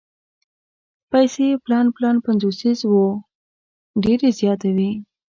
پیسې پلن پلن پنځوسیز وو ډېرې زیاتې وې.